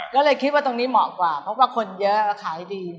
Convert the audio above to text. ก็เลยคิดว่าตรงนี้เหมาะกว่าเพราะว่าคนเยอะแล้วขายดี